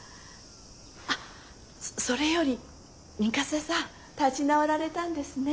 あっそれより三笠さん立ち直られたんですね。